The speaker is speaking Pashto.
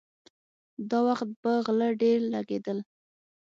دا وخت به غله ډېر لګېدل.